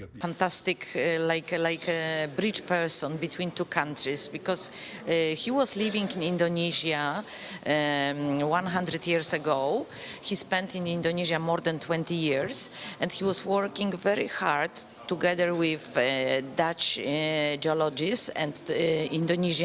dan dia bekerja dengan sangat keras bersama dengan geologi belanda dan juga geologi indonesia